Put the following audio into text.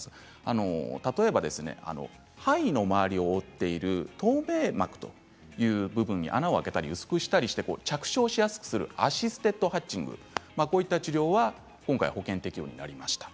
例えば胚の周りを覆っている透明膜という部分に穴を開けたり薄くしたりして着床しやすくするアシステッドハッチングという治療は今回保険適用になりました。